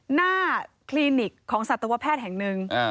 หน้าคลีนิกของศัตรูวะแพทย์แห่งหนึ่ง